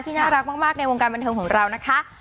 น่ารักมากในวงการบันเทิงของเรานะคะ